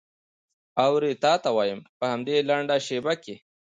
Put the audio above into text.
اورې تا ته وایم په همدې لنډه شېبه کې.